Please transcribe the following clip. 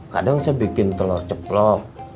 kadang saya bikin telur ceplok